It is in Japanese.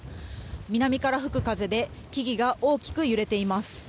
南から吹く風で木々が大きく揺れています。